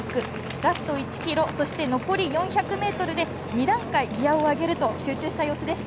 ラスト１ｋｍ残り４００ｍで２段階ギヤを上げると集中した様子でした。